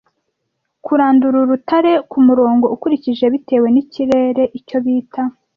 Kurandura urutare, kumurongo ukurikije bitewe nikirere icyo bita